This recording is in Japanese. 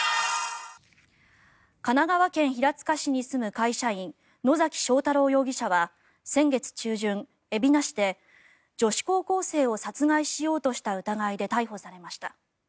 神奈川県平塚市に住む会社員野嵜彰太朗容疑者は先月中旬、海老名市で女子高校生を殺害しようとした疑いで逮捕されました。